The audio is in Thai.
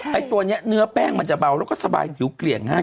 ไอ้ตัวนี้เนื้อแป้งมันจะเบาแล้วก็สบายผิวเกลี่ยงง่าย